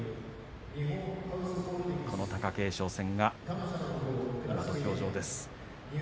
この貴景勝戦が今、土俵上です。